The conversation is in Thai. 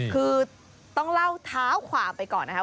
คือต้องเล่าท้าขวาไปก่อนนะคะ